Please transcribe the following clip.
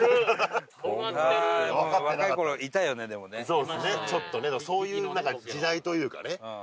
そうですねちょっとねそういう時代というかね。